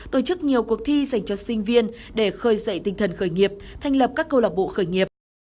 tổ chức nhiều cuộc thi dành cho sinh viên để khơi dậy tinh thần khởi nghiệp thành lập các câu lạc bộ khởi nghiệp